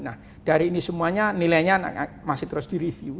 nah dari ini semuanya nilainya masih terus di review